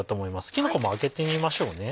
きのこも開けてみましょうね。